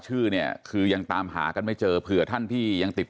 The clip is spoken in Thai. ชื่อเนี่ยคือยังตามหากันไม่เจอเผื่อท่านที่ยังติด